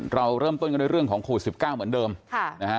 เราเริ่มต้นกันด้วยเรื่องของโควิด๑๙เหมือนเดิมนะฮะ